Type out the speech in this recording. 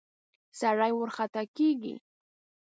سړی ورخطا کېږي.